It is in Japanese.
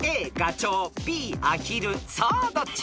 ［さあどっち？］